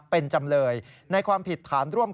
เป็นจำเลยในความผิดฐานร่วม